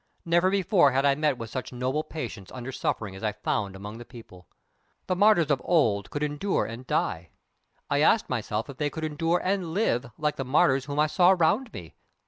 Never before had I met with such noble patience under suffering as I found among the people. The martyrs of old could endure, and die. I asked myself if they could endure, and live, like the martyrs whom I saw round me?